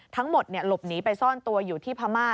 ทั้งหมดหลบหนีไปซ่อนตัวอยู่ที่พม่า